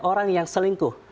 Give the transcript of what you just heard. orang yang selingkuh